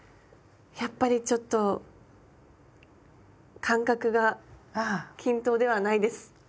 やっぱりちょっと間隔が均等ではないです。